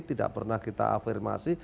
tidak pernah kita afirmasi